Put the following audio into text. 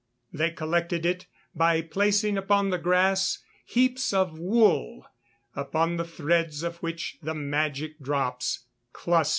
They collected it by placing upon the grass heaps of wool, upon the threads of which the magic drops clustered.